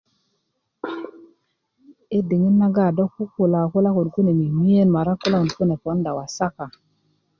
i diŋit nagon do kukula kula kune miminyen maratbkula konuk kune pounda wasaka